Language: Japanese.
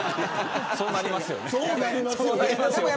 そうなりますよね。